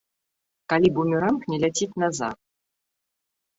Калі бумеранг не ляціць назад.